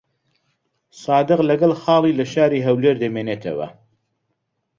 سادق لەگەڵ خاڵی لە شاری هەولێر دەمێنێتەوە.